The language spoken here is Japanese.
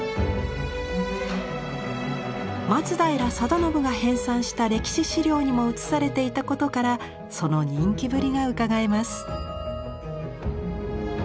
松平定信が編纂した歴史資料にも写されていたことからその人気ぶりがうかがえます。